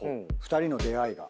２人の出会いが。